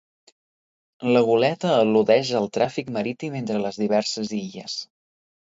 La goleta al·ludeix al tràfic marítim entre les diverses illes.